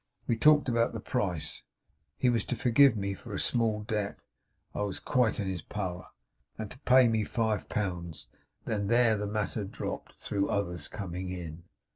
We talked about the price. He was to forgive me a small debt I was quite in his power and to pay me five pounds; and there the matter dropped, through others coming in.